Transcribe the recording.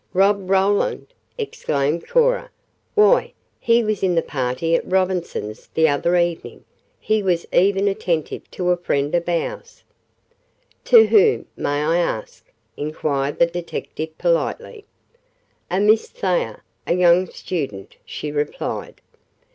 "Rob Roland!" exclaimed Cora. "Why, he was in the party at Robinson's the other evening. He was even attentive to a friend of ours." "To whom, may I ask?" inquired the detective politely. "A Miss Thayer, a young student," she replied.